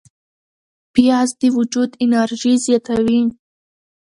پیاز د وجود انرژي زیاتوي